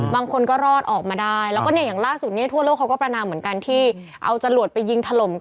บางคนก็รอดออกมาได้